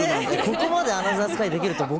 ここまでアナザースカイできると僕も。